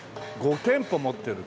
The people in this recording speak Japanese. ５店舗持ってる。